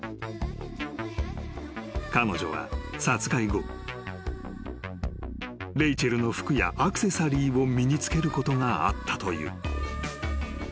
［彼女は殺害後レイチェルの服やアクセサリーを身に着けることがあったという］